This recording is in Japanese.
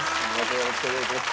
よろしくお願いします。